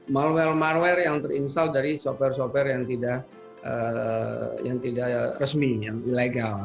malware malware yang terinstal dari software software yang tidak resmi yang ilegal